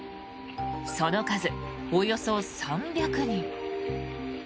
その数、およそ３００人。